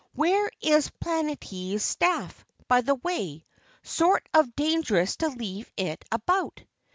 Where is Planetty's staff, by the way sort of dangerous to leave it about!"